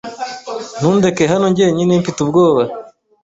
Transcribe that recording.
Ntundeke hano ngenyine mfite ubwoba.